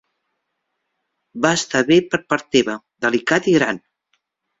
Va estar bé per part teva, delicat i gran.